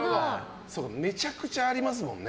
めちゃくちゃありますもんね